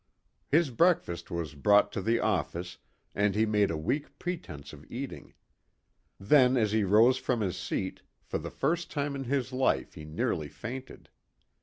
His breakfast was brought to the office, and he made a weak pretense of eating. Then, as he rose from his seat, for the first time in his life he nearly fainted.